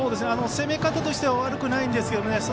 攻め方としては悪くないんですけどね